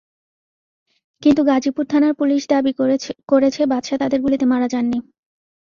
কিন্তু গাজীপুর থানার পুলিশ দাবি করেছে, বাদশা তাদের গুলিতে মারা যাননি।